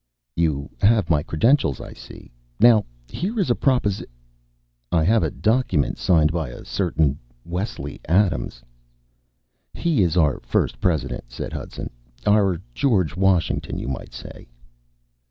"You have my credentials, I see. Now here is a propos " "I have a document signed by a certain Wesley Adams." "He's our first president," said Hudson. "Our George Washington, you might say."